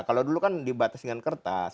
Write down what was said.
kalau dulu kan dibatasi dengan kertas